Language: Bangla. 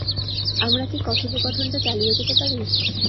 আমরা কি কথোপকথনটা চালিয়ে যেতে পারি?